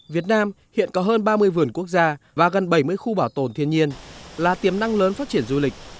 việt nam hiện có hơn ba mươi vườn quốc gia và gần bảy mươi khu bảo tồn thiên nhiên là tiềm năng lớn phát triển du lịch